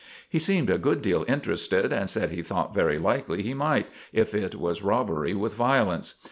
He seemed a good deal interested, and said he thought very likely he might, if it was robbery with violence.